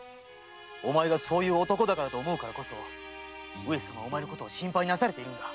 お前がそういう男だからと思うからこそ上様はお前のことを心配なされているんだ。